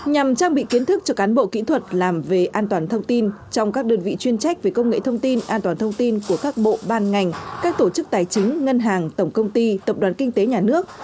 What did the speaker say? nhằm trang bị kiến thức cho cán bộ kỹ thuật làm về an toàn thông tin trong các đơn vị chuyên trách về công nghệ thông tin an toàn thông tin của các bộ ban ngành các tổ chức tài chính ngân hàng tổng công ty tập đoàn kinh tế nhà nước